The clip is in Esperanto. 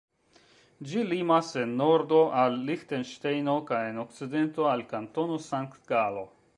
Ĝi limas en nordo al Liĥtenŝtejno kaj en okcidento al Kantono Sankt-Galo.